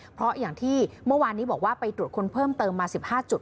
เพราะอย่างที่เมื่อวานนี้บอกว่าไปตรวจคนเพิ่มเติมมา๑๕จุด